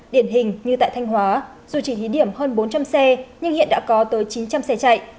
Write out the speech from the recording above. điển hình như tại thanh hóa dù chỉ thí điểm hơn bốn trăm linh xe nhưng hiện đã có tới chín trăm linh xe chạy